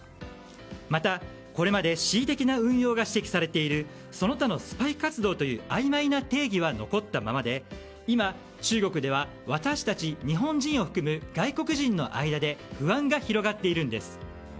また、これまで恣意的な運用が指摘されているその他のスパイ活動というあいまいな定義は残ったままで、今、中国では私たち日本人を含む外国人の間で不安が広がっているんです。